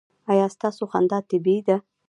ایا ستاسو خندا طبیعي ده؟